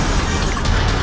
dia menangernya dengan ke dukun